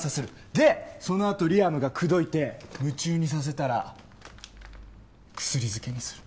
でそのあとリアムが口説いて夢中にさせたら薬漬けにする。